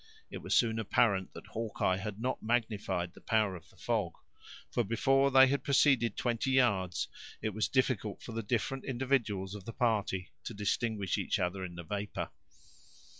It was soon apparent that Hawkeye had not magnified the power of the fog, for before they had proceeded twenty yards, it was difficult for the different individuals of the party to distinguish each other in the vapor.